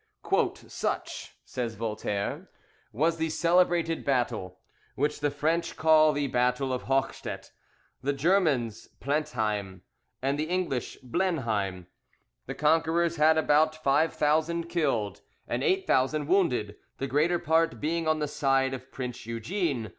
"Such," says Voltaire, "was the celebrated battle, which the French call the battle of Hochstet, the Germans Plentheim, and the English Blenheim, The conquerors had about five thousand killed, and eight thousand wounded, the greater part being on the side of Prince Eugene.